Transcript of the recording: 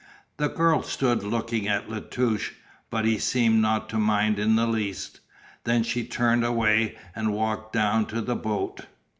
The girl stood looking at La Touche, but he seemed not to mind in the least. Then she turned away and walked down to the boat.